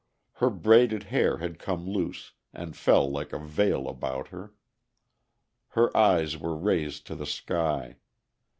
Her braided hair had come loose, and fell like a veil about her. Her eyes were raised to the sky.